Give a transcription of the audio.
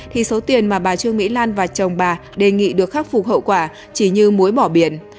thì số tiền mà bà trương mỹ lan và chồng bà đề nghị được khắc phục hậu quả chỉ như muối bỏ biển